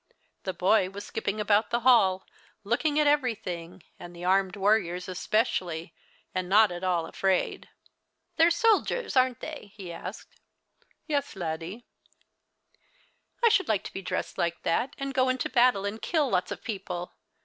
The boy was skipping about thehall, looking at everything, the armed warriors especially,} and not at all afraid. The Christmas Hirelings. 95 " They're soldiers, aren't they ?" he asked. " Yes, Laddie." " I shoukl like to be dressed like that, and go into a battle and kill lots of people.